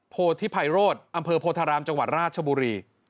โพธิภัยโรธอำเภอโพธารามจังหวัดราชบุรี